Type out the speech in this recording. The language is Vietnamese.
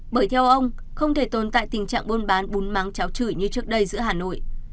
bởi theo ông không thể tồn tại tình trạng bôn bán bún mắng cháo chửi như trước đây giữa hà nội